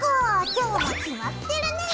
今日も決まってるね！